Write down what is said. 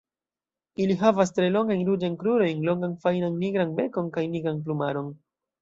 Ili havas tre longajn ruĝajn krurojn, longan fajnan nigran bekon kaj nigran plumaron.